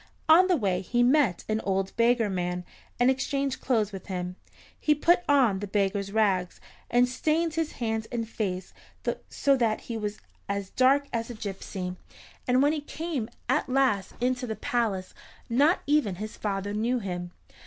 On the way he met an old beggar man, and exchanged clothes with him. He put on the beggar's rags, and stained his hands and face so that he was as dark as a gypsy, and when he came at last into the palace not even his father knew him.